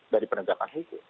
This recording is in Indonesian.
dari penegakan hukum